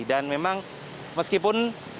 dan memang meskipun